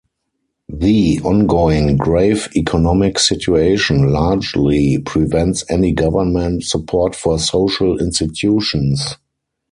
The ongoing grave economic situation largely prevents any government support for social institutions.